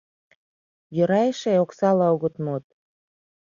Йӧра эше, оксала огыт мод.